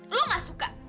lo gak suka